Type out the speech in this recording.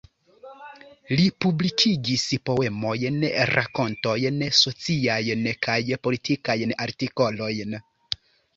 Li publikigis poemojn, rakontojn, sociajn kaj politikajn artikolojn.